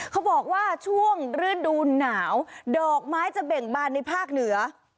เขาบอกว่าช่วงฤดูหนาวดอกไม้จะเบ่งบานในภาคเหนือ